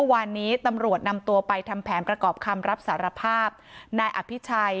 วันนี้ตำรวจนำตัวไปทำแผนประกอบคำรับสารภาพนายอภิชัย